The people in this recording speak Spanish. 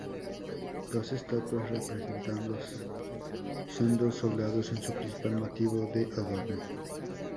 Dos estatuas representando sendos soldados es su principal motivo de adorno.